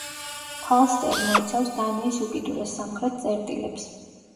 ფალსტერი მოიცავს დანიის უკიდურეს სამხრეთ წერტილებს.